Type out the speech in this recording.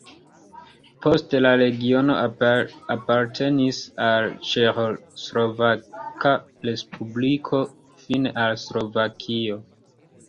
Poste la regiono apartenis al Ĉeĥoslovaka respubliko, fine al Slovakio.